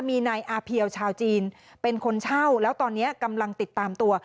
มีนายอาเพียวชาวจีนเป็นคนเช่าแล้วตอนนี้กำลังติดตามตัว